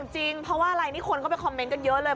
จริงเพราะว่าอะไรนี่คนเข้าไปคอมเมนต์กันเยอะเลย